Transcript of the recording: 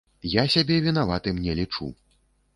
Я сябе вінаватым не лічу.